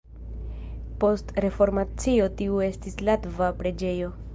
Post Reformacio tiu estis latva preĝejo.